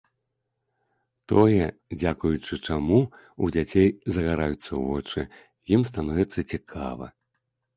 Тое, дзякуючы чаму ў дзяцей загараюцца вочы, ім становіцца цікава.